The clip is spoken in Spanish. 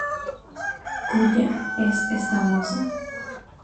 ¿Cúya es esta moza?